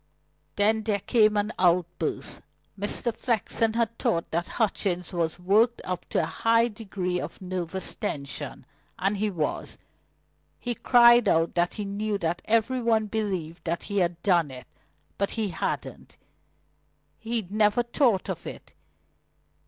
Then there came an outburst. Mr. Flexen had thought that Hutchings was worked up to a high degree of nervous tension, and he was. He cried out that he knew that every one believed that he had done it; but he hadn't. He'd never thought of it.